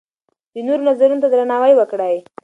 د نورو نظرونو ته درناوی وکړئ.